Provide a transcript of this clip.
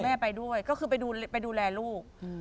ไปด้วยก็คือไปดูแลลูก